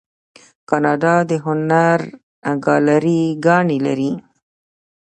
کاناډا د هنر ګالري ګانې لري.